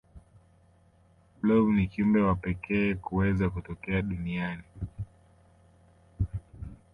blob ni kiumbe wa pekee kuweza kutokea duniani